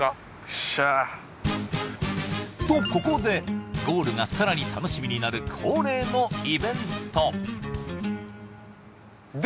よっしゃとここでゴールがさらに楽しみになる恒例のイベント